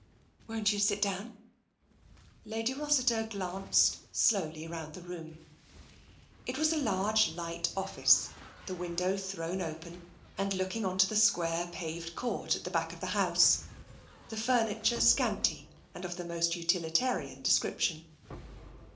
"Won't you sit down?*' Lady Rossiter glanced slowly round the room. It was a large light office, the window thrown open and looking on to the square paved court at the back of the house; the furniture scanty and of the most utilitarian description.